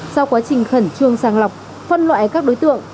sau quá trình khẩn trương sàng lọc phân loại các đối tượng